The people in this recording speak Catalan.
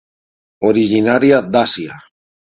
Originària d'Àsia.